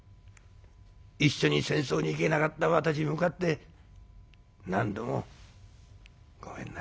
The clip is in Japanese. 一緒に戦争に行けなかった私に向かって何度も『ごめんな。